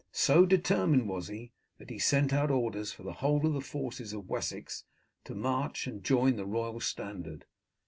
So determined was he, that he sent out orders for the whole of the forces of Wessex to march and join the royal standard.